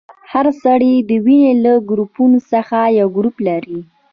هر سړی د وینې له ګروپونو څخه یو ګروپ لري.